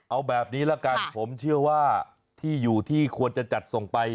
เอาแบบนี้ละกันผมเชื่อว่าที่อยู่ที่ควรจะจัดส่งไป